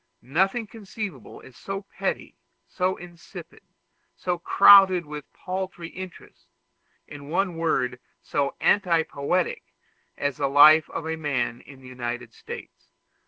Nothing conceivable is so petty, so insipid, so crowded with paltry interests, in one word so anti poetic, as the life of a man in the United States.